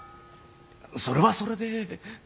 それはそれで。